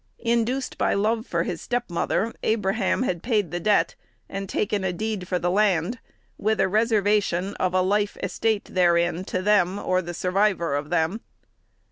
Induced by love for his step mother, Abraham had paid the debt, and taken a deed for the land, "with a reservation of a life estate therein, to them, or the survivor of them."